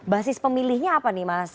basis pemilihnya apa nih mas